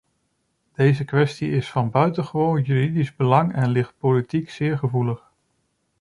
Deze kwestie is van buitengewoon juridisch belang en ligt politiek zeer gevoelig.